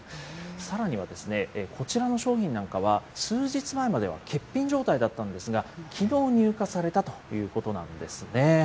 さらにはこちらの商品なんかは、数日前までは欠品状態だったんですが、きのう入荷されたということなんですね。